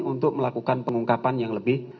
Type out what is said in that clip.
untuk melakukan pengungkapan yang lebih